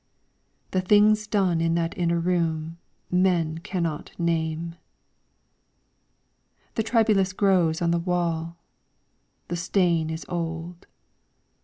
The things done in that inner room Men cannot name. The tribulus grows on the wall. The stain is old.